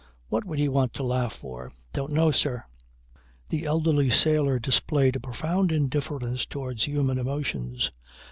What would he want to laugh for?" "Don't know, sir." The elderly sailor displayed a profound indifference towards human emotions.